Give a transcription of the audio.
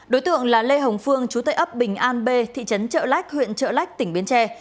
đối tượng là lê hồng phương chú tây ấp bình an b thị trấn trợ lách huyện trợ lách tỉnh bến tre